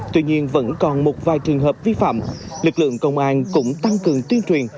tuy nhiên vẫn còn một vài trường hợp vi phạm lực lượng công an cũng tăng cường tuyên truyền